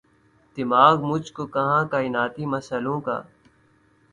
دماغ مجھ کو کہاں کائناتی مسئلوں کا